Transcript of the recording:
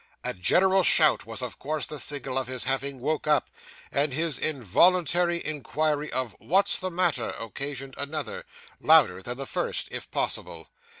A general shout was of course the signal of his having woke up; and his involuntary inquiry of 'What's the matter?' occasioned another, louder than the first, if possible.